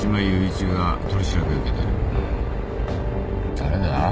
誰だ？